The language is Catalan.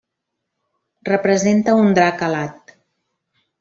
Representa un drac alat.